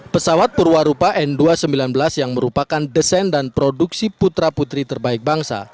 pesawat purwarupa n dua ratus sembilan belas yang merupakan desain dan produksi putra putri terbaik bangsa